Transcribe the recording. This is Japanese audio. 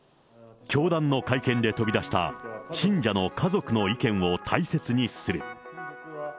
教団の会見で飛び出した、信者の家族の意見を大切にする。